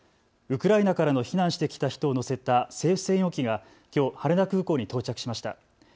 ウクライナからの避難してきた人を乗せた政府専用機がきょう羽田空港に到着しました。